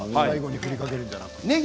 最後に振りかけるんじゃなくて。